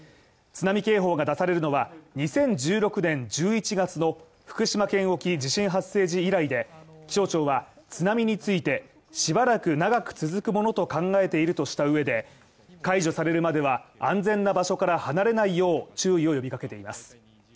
津波警報が出されるのは、２０１６年１１月の福島県沖地震発生時以来で、気象庁は津波についてしばらく長く続くものと考えているとした上で解除されるまでは、安全な場所から離れないよう注意を呼びかけています。